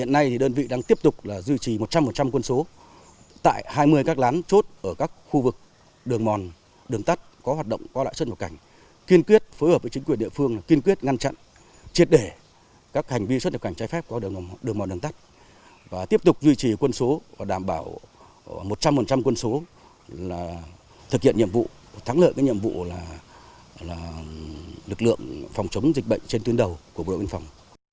đặc biệt là thực hiện nhiệm vụ thắng lợi cái nhiệm vụ là lực lượng phòng chống dịch bệnh trên tuyến đầu của bộ đội biên phòng